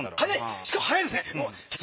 しかも早いですね！